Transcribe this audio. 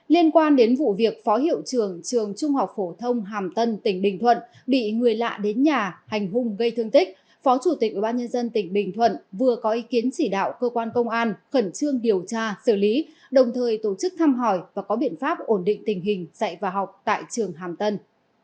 liên quan đến vụ việc phó hiệu trường trường trung học phổ thông hàm tân tỉnh bình thuận bị người lạ đến nhà hành hung gây thương tích phó chủ tịch ubnd tỉnh bình thuận vừa có ý kiến chỉ đạo cơ quan công an khẩn trương điều tra xử lý đồng thời tổ chức thăm hỏi và có biện pháp ổn định tình hình dạy và học tại trường hàm tân